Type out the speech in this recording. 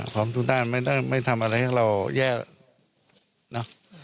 ของทุกด้านไม่ได้ไม่ทำอะไรให้เราแย่นะ